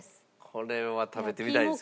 これは食べてみたいですよね。